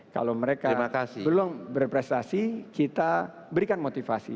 kalau mereka belum berprestasi kita berikan motivasi